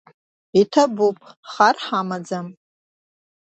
Иҭабуп, хар ҳамаӡам!